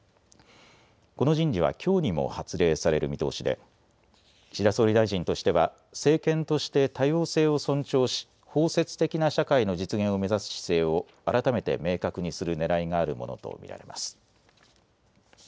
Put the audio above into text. この人事はきょうにも発令される見通しで岸田総理大臣としては政権として多様性を尊重し包摂的な社会の実現を目指す姿勢を改めて明確にするねらいがあるものと見られます。